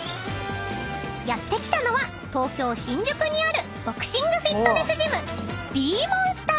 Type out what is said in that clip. ［やって来たのは東京新宿にあるボクシングフィットネスジム］